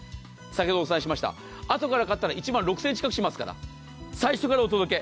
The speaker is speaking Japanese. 先ほどお伝えしましたあとから買ったら１万６０００円近くしますから最初からお届け。